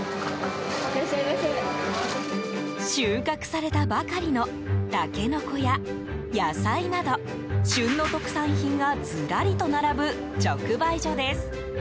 収穫されたばかりのタケノコや野菜など旬の特産品がずらりと並ぶ直売所です。